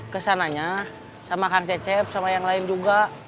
kesananya sama kang cecep sama yang lain juga